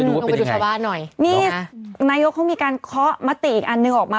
ลงไปดูว่าเป็นอย่างไรนายกก็มีการเคาะมาตีอีกอันหนึ่งออกมา